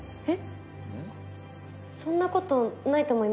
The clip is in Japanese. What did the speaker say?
えっ？